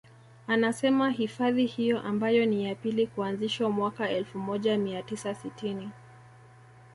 Anasema hifadhi hiyo ambayo ni ya pili kuanzishwa mwaka elfu moja mia tisa sitini